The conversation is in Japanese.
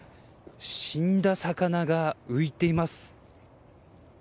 死んだ魚が浮いています。